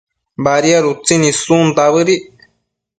Badiad utsin issunta bëdic